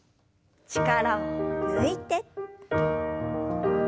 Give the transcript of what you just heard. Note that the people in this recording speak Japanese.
力を抜いて。